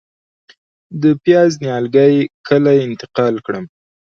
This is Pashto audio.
د پیاز نیالګي کله انتقال کړم؟